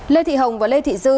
lê thị hồng và lê thị dư